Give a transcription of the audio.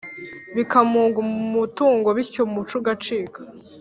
bikamunga umutungo bityo umuco ugacika